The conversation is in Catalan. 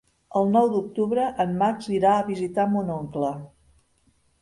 El nou d'octubre en Max irà a visitar mon oncle.